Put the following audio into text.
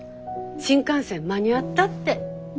新幹線間に合ったって。